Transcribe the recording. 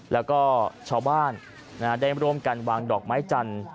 แล้วก็ชาวบ้านได้ร่วมกันวางดอกไม้จันทร์